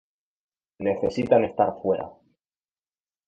Necesitan estar fuera.